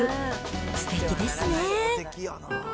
すてきですね。